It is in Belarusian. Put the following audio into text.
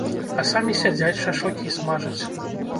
А самі сядзяць, шашлыкі смажаць.